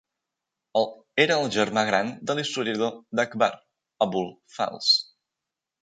Era el germà gran de l'historiador d'Akbar, Abul Fazl.